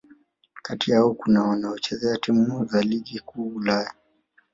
Kati ya hao kuna wanaocheza timu za Ligi Kuu Ulaya